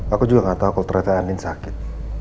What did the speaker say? aku juga nggak tahu kalau ternyata andin sakit